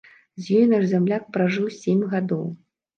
З ёю наш зямляк пражыў сем гадоў.